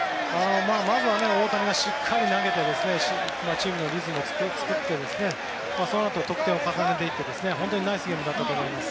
まずは大谷がしっかり投げてチームのリズムを作ってそのあと得点を重ねていって本当にナイスゲームだったと思います。